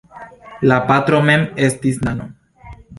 La patro mem estis nano.